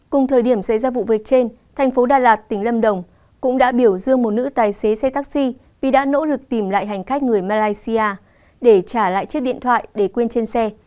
cùng thời điểm xảy ra vụ việc trên thành phố đà lạt tỉnh lâm đồng cũng đã biểu dương một nữ tài xế xe taxi vì đã nỗ lực tìm lại hành khách người malaysia để trả lại chiếc điện thoại để quên trên xe